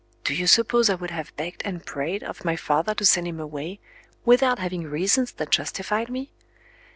Do you suppose I would have begged and prayed of my father to send him away, without having reasons that justified me?